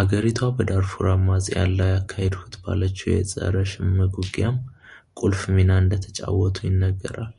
አገሪቷ በዳርፉር አማጽያን ላይ አካሄድኩት ባለችው የጸረ ሽምግ ውጊያም ቁልፍ ሚና እንደተጫወቱ ይነገራል።